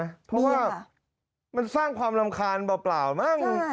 เพราะว่ามันสร้างความรำคาญเปล่ามั้ง